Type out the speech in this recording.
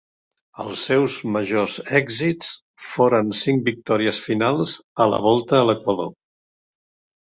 Els seus majors èxits foren cinc victòries finals a la Volta a l'Equador.